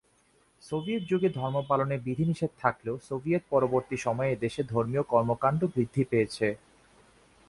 Soviet যুগে ধর্ম পালনে বিধি নিষেধ থাকলেও সোভিয়েত পরবর্তী সময়ে এ দেশে ধর্মীয় কর্মকাণ্ড বৃদ্ধি পেয়েছে।